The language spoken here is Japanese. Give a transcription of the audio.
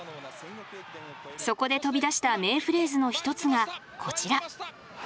そこで飛び出した名フレーズの一つがこちら。